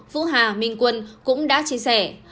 vũ hà minh quân cũng đã chia sẻ